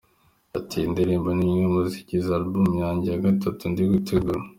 Ati “Iyi ndirimbo ni imwe mu zigize album yanjye ya gatatu ndi gutegura.